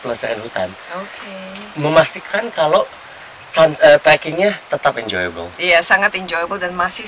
penelusuran hutan memastikan kalau trackingnya tetap enjoyable iya sangat enjoyable dan masih